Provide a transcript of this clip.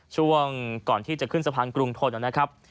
ช่วงก่อนที่จะขึ้นสะพานกรุงทนนะครับ